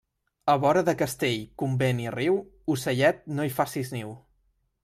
A vora de castell, convent i riu, ocellet, no hi faces niu.